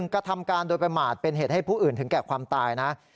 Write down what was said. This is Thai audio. กระทำการโดยประมาทเป็นเหตุให้ผู้อื่นถึงแก่ความตายนะ